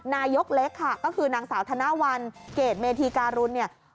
นายกเล็กค่ะก็คือนางสาวธนวัลเกรดเมธีการุณเนี่ย